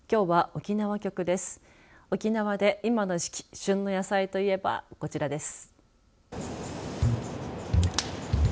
沖縄で今の時期旬の野菜といえばこちらです。